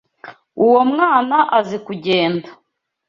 Uwo mwana azi kugenda.